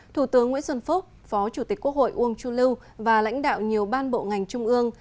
thủ tướng nguyễn xuân phúc phó chủ tịch quốc hội uông chu lưu và lãnh đạo nhiều ban bộ ngành trung ương